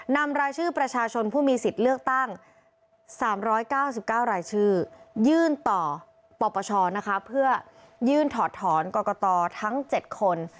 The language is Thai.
นำรายชื่อประชาชนผู้มีสิทธิ์เลือกตั้ง๓๙๙รายชื่อยื่นต่อปปชนะคะเพื่อยื่นถอดถอนกรกตทั้ง๗คน